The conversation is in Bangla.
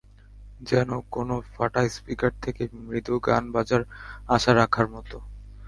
যেন কোনো ফাঁটা স্পিকার থেকে মৃদু গান বাজার আশা রাখার মতো।